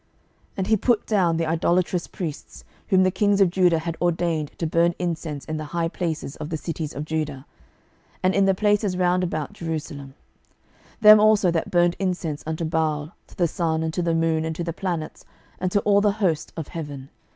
12:023:005 And he put down the idolatrous priests, whom the kings of Judah had ordained to burn incense in the high places in the cities of Judah, and in the places round about Jerusalem; them also that burned incense unto Baal, to the sun, and to the moon, and to the planets, and to all the host of heaven.